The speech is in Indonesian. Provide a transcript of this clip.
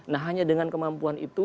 nah hanya dengan kemampuan itu